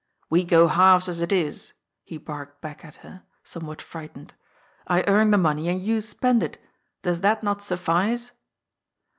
^ We go halves, as it is," he barked back at her, some what frightened. ^'I earn the money and you spend it; does that not suffice